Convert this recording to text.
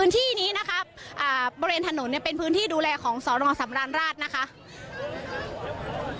ที่นี้นะครับบริเวณถนนเป็นพื้นที่ดูแลของสรสำราญราชนะครับ